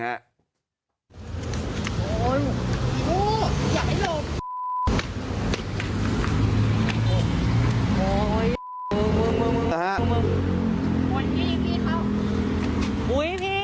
โอ้โฮ